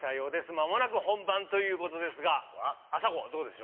間もなく本番ということですがあさこどうでしょうか？